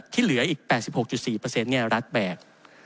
ที่เหลืออีก๘๖๔รัฐแบก